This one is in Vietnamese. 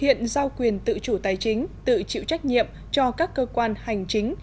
hiện giao quyền tự chủ tài chính tự chịu trách nhiệm cho các cơ quan hành chính